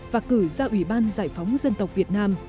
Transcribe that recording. và cử ra ủy ban giải phóng dân tộc việt nam